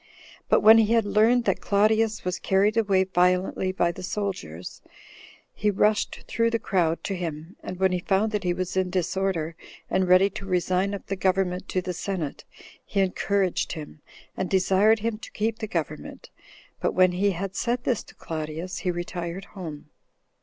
But when he had learned that Claudius was carried away violently by the soldiers, he rushed through the crowd to him, and when he found that he was in disorder, and ready to resign up the government to the senate, he encouraged him, and desired him to keep the government; but when he had said this to Claudius, he retired home.